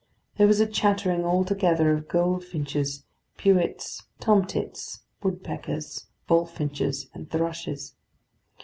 There was a chattering all together of goldfinches, pewits, tomtits, woodpeckers, bullfinches, and thrushes.